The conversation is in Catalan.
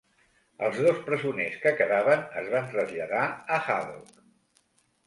Els dos presoners que quedaven es van traslladar a "Haddock".